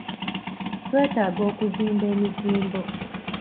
Twetaaga okuzimba emizimbo.